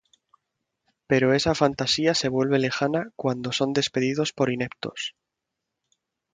Pero esa fantasía se vuelve lejana cuando son despedidos por ineptos.